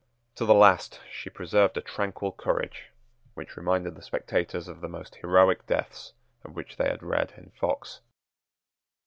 To the last she preserved a tranquil courage, which reminded the spectators of the most heroic deaths of which they had read in Fox.